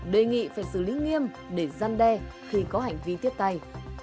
đề nghị phải xử lý nghiêm để gian đe khi có hành vi tiếp tay